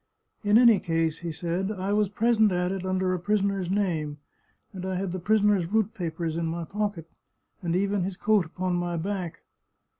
" In any case," he said, " I was present at it under a prisoner's name, and I had the prisoner's route papers in my pocket, and even his coat upon my back.